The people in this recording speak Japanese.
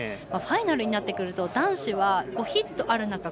ファイナルになってくると男子は５ヒットある中